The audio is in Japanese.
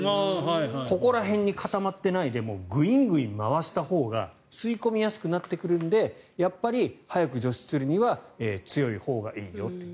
ここらへんに固まってないでぐいんぐいん回したほうが吸い込みやすくなるので早く除湿するには強いほうがいいよという。